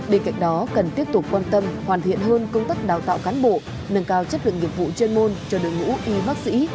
bên cạnh đó cần tiếp tục quan tâm hoàn thiện hơn công tác đào tạo cán bộ nâng cao chất lượng nghiệp vụ chuyên môn cho đội ngũ y bác sĩ